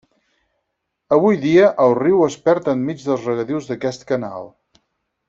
Avui dia el riu es perd enmig dels regadius d'aquest canal.